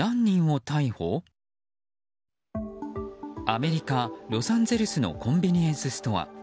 アメリカ・ロサンゼルスのコンビニエンスストア。